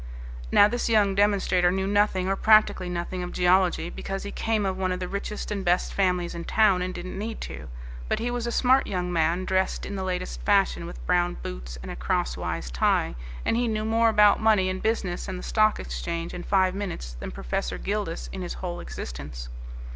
Now this young demonstrator knew nothing or practically nothing, of geology, because he came of one of the richest and best families in town and didn't need to. But he was a smart young man, dressed in the latest fashion with brown boots and a crosswise tie, and he knew more about money and business and the stock exchange in five minutes than Professor Gildas in his whole existence.